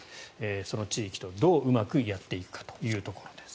その地域と、どううまくやっていくかというところです。